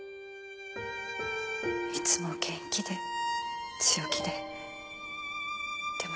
いつも元気で強気ででも実は繊細で。